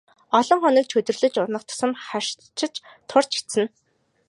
Олон хоног чөдөрлөж унах тусам харшиж турж эцнэ.